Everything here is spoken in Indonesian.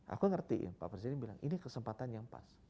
aku ngerti ya pak presidi bilang ini kesempatan yang pas